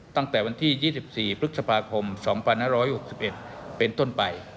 ตั้งแต่วันที่ยี่สิบสี่ปฤษภาคมสองพันห้าร้อยหกสิบเอ็ดเป็นต้นไป